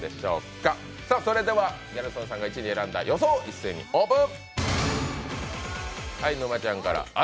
それではギャル曽根さんが１位に選んだ予想を一斉にオープン。